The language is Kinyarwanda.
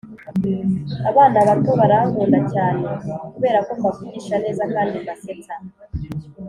abana bato barankunda cyane kuberako mbavugisha neza kandi mbasetsa